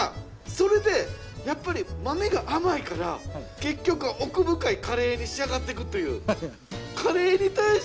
それでやっぱり豆が甘いから結局奥深いカレーに仕上がっていくという。